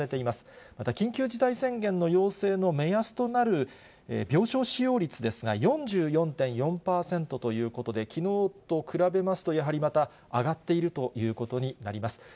また緊急事態宣言の要請の目安となる病床使用率ですが、４４．４％ということで、きのうと比べますと、やはり、また上がっているということになります。